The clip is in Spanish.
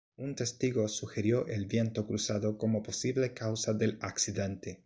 Un testigo sugirió el viento cruzado como posible causa del accidente.